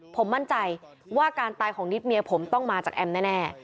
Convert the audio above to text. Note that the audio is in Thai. ผมมั่นใจว่าการตายของนิดเมียผมต้องมาจากแอมแน่